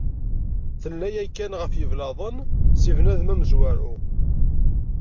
Tella yakkan ɣef yiblaḍen, si bnadem amezwaru.